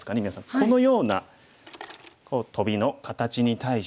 このようなトビの形に対してノゾキ。